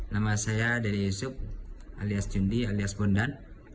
nama saya dedy yusuf alias cundi alias bondan